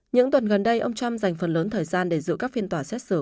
những tuần gần đây ông trump dành phần lớn thời gian để giữ các phiên tòa xét xử